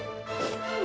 ma sampai kapanpun